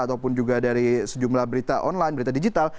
ataupun juga dari sejumlah berita online berita digital